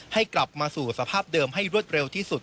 ให้กลับมาสู่สภาพเดิมให้รวดเร็วที่สุด